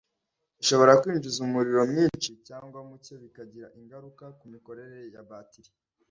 ishobora kwinjiza umuriro mwinshi cyangwa muke bikagira ingaruka ku mikorere ya batiri